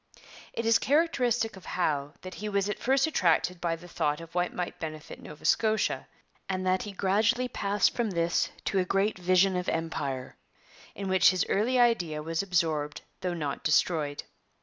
It is characteristic of Howe that he was at first attracted by the thought of what might benefit Nova Scotia, and that he gradually passed from this to a great vision of Empire, in which his early idea was absorbed though not destroyed.